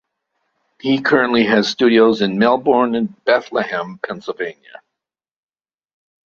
He currently has studios in Melbourne and Bethlehem, Pennsylvania.